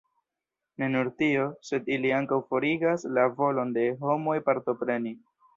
Ne nur tio, sed ili ankaŭ forigas la volon de homoj partopreni.